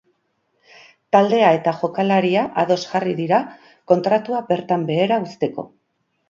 Taldea eta jokalaria ados jarri dira kontratua bertan behera uzteko.